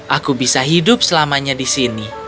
aku bisa hidup selamanya di sini